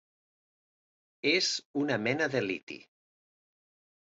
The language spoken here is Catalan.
És una mena de liti.